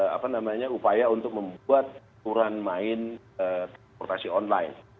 karena melakukan upaya untuk membuat aturan main portasi online